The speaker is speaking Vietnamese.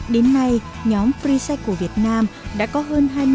đến nay nhóm freecycle việt nam đã có hơn hai mươi thành viên